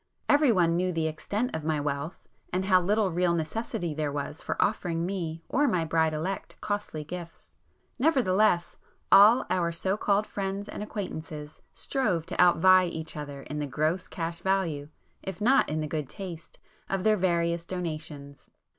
Everyone knew the extent of my wealth, and how little real necessity there was for offering me or my bride elect costly gifts; nevertheless, all our so called 'friends' and acquaintances, strove to outvie each other in the gross cash value, if not in the good taste, of their various donations.